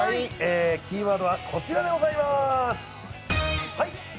キーワードはこちらでございます。